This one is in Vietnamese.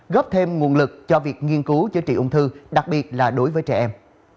góp thêm nguồn lực cho việc nghiên cứu chữa trị ung thư đặc biệt là đối với trẻ em